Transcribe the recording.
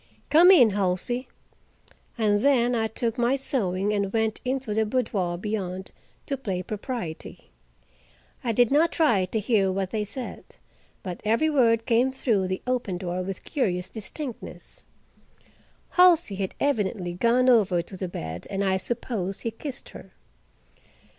"Come in, Halsey." And then I took my sewing and went into the boudoir beyond, to play propriety. I did not try to hear what they said, but every word came through the open door with curious distinctness. Halsey had evidently gone over to the bed and I suppose he kissed her.